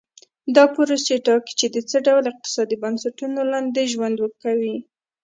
دا پروسې ټاکي چې د څه ډول اقتصادي بنسټونو لاندې ژوند کوي.